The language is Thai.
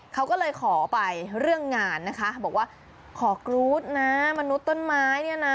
เขาก็เลยขอไปเรื่องงานนะคะบอกว่าขอกรู๊ดนะมนุษย์ต้นไม้เนี่ยนะ